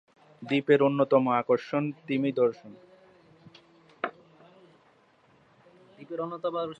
দ্বীপের অন্যতম আকর্ষণ তিমি দর্শন।